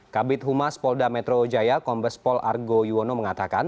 kabit humas polda metro jaya kombes pol argo yuwono mengatakan